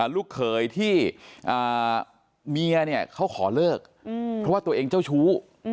ลูกเขยที่เมียเนี่ยเขาขอเลิกเพราะว่าตัวเองเจ้าชู้